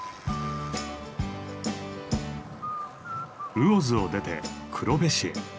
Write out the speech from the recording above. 魚津を出て黒部市へ。